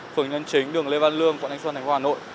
phường nhân chính đường lê văn lương quận thanh xuân thành phố hà nội